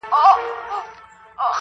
حتی په خپلي پوښتني پوري